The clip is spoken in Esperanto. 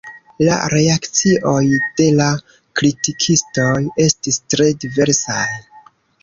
La reakcioj de la kritikistoj estis tre diversaj.